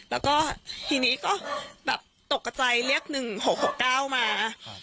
แล้วก็ทีนี้ก็แบบตกใจเรียกหนึ่งหกหกเก้ามา